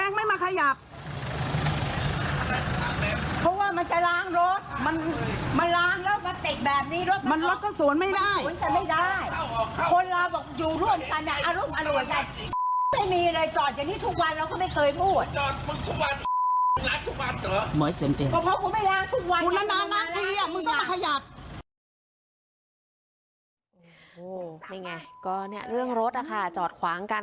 เอาไปดูคลิปช่วงที่เขามีเหตุวิวาทะเลาะกันหน่อยค่ะ